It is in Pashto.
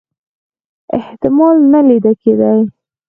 احتمال نه لیده کېدی.